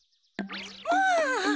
まあ！